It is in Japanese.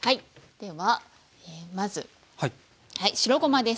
ではまず白ごまです。